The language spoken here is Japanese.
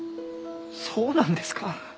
そうなんですか？